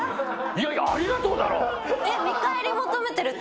いやいや、ありがとうだろ！えっ？